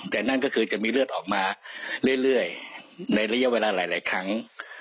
แต่นั่นก็คือจะมีเลือดออกมาเรื่อยในระยะเวลาหลายครั้ง